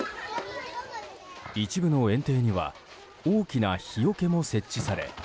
一部の園庭には大きな日よけも設置され